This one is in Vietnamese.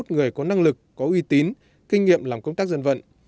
người có năng lực có uy tín kinh nghiệm làm công tác dân vận